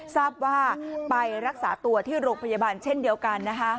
ทราบว่าไปรักษาตัวที่โรงพยาบาลเช่นเดียวกันนะคะ